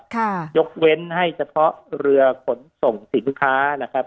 ยกเว้นให้เฉพาะเรือขนส่งสินค้านะครับ